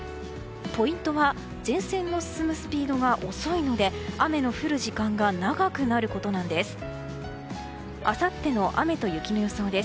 ポイントは前線の進むスピードが遅いので雨の降る時間が長くなることなんです。